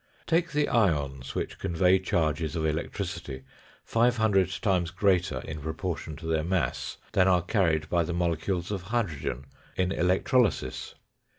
Take the ions which convey charges of electricity 500 times greater in proportion to their mass than are carried by the molecules of hydrogen in electrolysis.